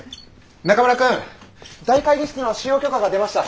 中村くん大会議室の使用許可が出ました。